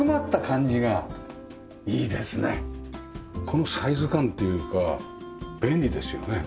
このサイズ感というか便利ですよね。